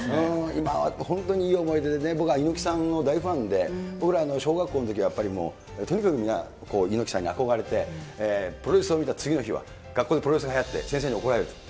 今は本当にいい思い出でね、僕は猪木さんの大ファンで、僕ら、小学校のときはやっぱりもう、とにかくみんな、猪木さんに憧れて、プロレスを見た次の日は、学校でプロレスがはやって、先生に怒られる。